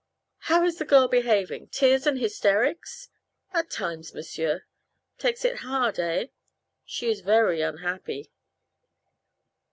"How is the girl behaving? Tears and hysterics?" "At times, m'sieur." "Takes it hard, eh?" "She is very unhappy."